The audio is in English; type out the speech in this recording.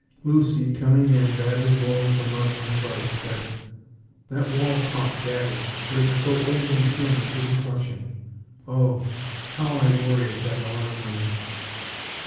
Lucy, coming in, badly blown from running and fright, said: "That wall caught Daddy; but it was so old and thin it didn't crush him. Oh! How I worry if that alarm rings!"